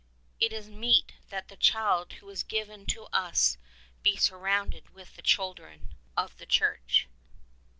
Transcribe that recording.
It is meet that the Child who is given to us be surrounded, with the children of the Church."